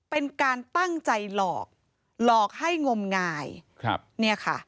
เป็นการตั้งใจหลอกหลอกให้งมงาย